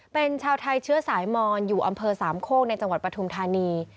เป็นชาวไทยเชื้อสายมอนอยู่อำเภอสามโคกในจังหวัดปฐุมธานี